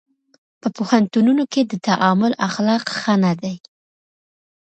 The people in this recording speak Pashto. په پوهنتونونو کې د تعامل اخلاق ښه نه دي.